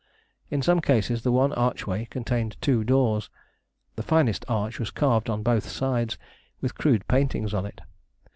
In some cases the one archway contained two doors. The finest arch was carved on both sides, with crude paintings on it.